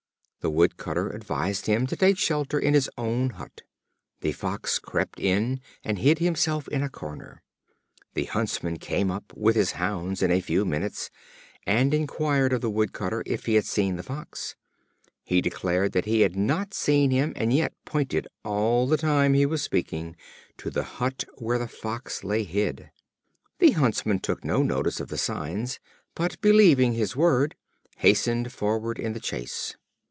The Wood cutter advised him to take shelter in his own hut. The Fox crept in, and hid himself in a corner. The Huntsman came up, with his hounds, in a few minutes, and inquired of the Wood cutter if he had seen the Fox. He declared that he had not seen him, and yet pointed, all the time he was speaking, to the hut where the Fox lay hid. The Huntsman took no notice of the signs, but, believing his word, hastened forward in the chase.